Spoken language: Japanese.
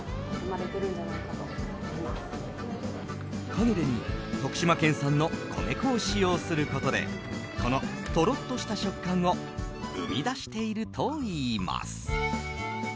カヌレに徳島県産の米粉を使用することでこのトロッした食感を生み出しているといいます。